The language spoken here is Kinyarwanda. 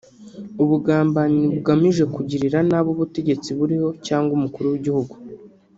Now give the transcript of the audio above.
ubugambanyi bugamije kugirira nabi ubutegetsi buriho cyangwa Umukuru w’igihugu